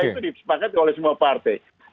itu disepakati oleh semua partai